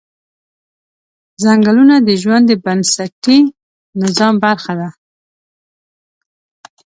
ځنګلونه د ژوند د بنسټي نظام برخه ده